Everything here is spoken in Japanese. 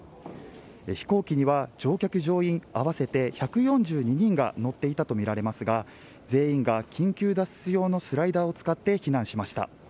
飛行機には乗客・乗員合わせて１４２人が乗っていたとみられますが全員が緊急脱出用のスライダーを使って避難しました。